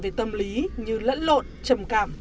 về tâm lý như lẫn lộn trầm cảm